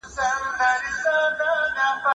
ماشومان د شپږو میاشتو عمر څخه څارل کېږي.